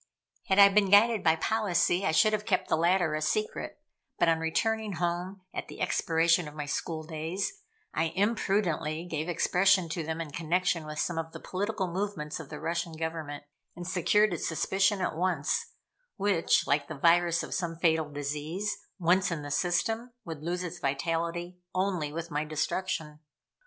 Had I been guided by policy, I should have kept the latter a secret, but on returning home, at the expiration of my school days, I imprudently gave expression to them in connection with some of the political movements of the Russian Government and secured its suspicion at once, which, like the virus of some fatal disease, once in the system, would lose its vitality only with my destruction.